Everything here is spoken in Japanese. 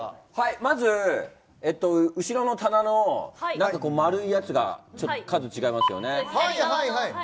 まず後ろの棚の丸いやつがちょっと数、違いますよね。